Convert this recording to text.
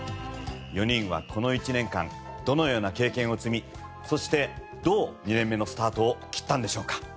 ４人はこの１年間どのような経験を詰みそしてどう２年目のスタートを切ったんでしょうか。